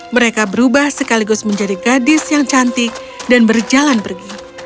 mereka berubah sekaligus menjadi gadis yang cantik dan berjalan pergi